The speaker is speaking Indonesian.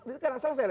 itu kan selesai